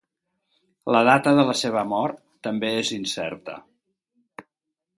La data de la seva mort també és incerta.